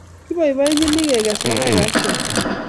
Kipoipoenchini keges logoek ak keam